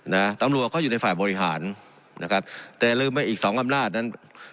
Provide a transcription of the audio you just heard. นะตำรวจเขาอยู่ในฝ่ายบริหารนะครับแต่ลืมว่าอีกสองอำนาจนั้น